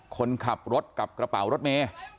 คนขับรถกับกระเป๋ารถเมย์